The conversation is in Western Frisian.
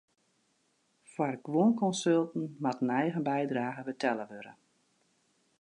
Foar guon konsulten moat in eigen bydrage betelle wurde.